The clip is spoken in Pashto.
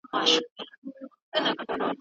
د زکات پروسه ټولنیز عدالت ټینګوي.